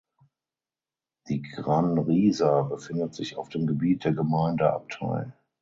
Die Gran Risa befindet sich auf dem Gebiet der Gemeinde Abtei.